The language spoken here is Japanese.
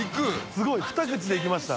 すごいふた口でいきました。